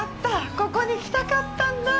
ここに来たかったんだ。